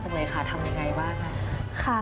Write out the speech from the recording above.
ทำอย่างไรบ้าง